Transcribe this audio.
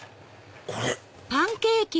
これ！